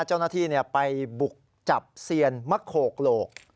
เจ้าหน้าที่ไปบุกจับเซียนมะโขกโหลก